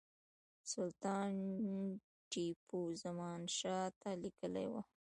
سلطان ټیپو زمانشاه ته لیکلي وه.